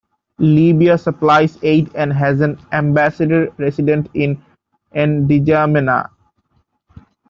Libya supplies aid and has an ambassador resident in N'Djamena.